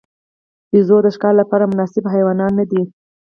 بیزو د ښکار لپاره مناسب حیوان نه دی.